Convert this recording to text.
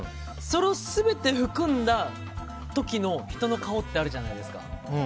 それを全て含んだ時の人の顔ってあるじゃないですか。